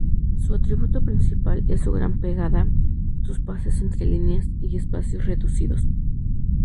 Su atributo principal es su gran pegada, sus pases entre líneas y espacios reducidos.